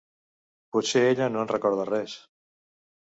Potser ella no en recorda res.